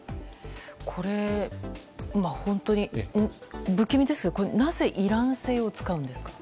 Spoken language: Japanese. これ、本当に不気味ですがなぜイラン製を使うんですか？